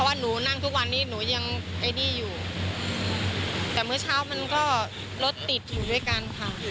บางวันค่ะวันไหนที่เราเข้าเช้าเขาจะไปส่ง